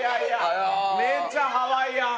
めっちゃハワイアン！